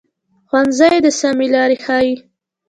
ښوونځی د سمه لار ښيي